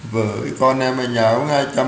với con em ở nhà có hai trăm linh